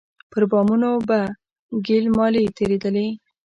پر بامونو به ګيل مالې تېرېدلې.